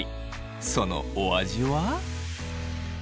そのお味は？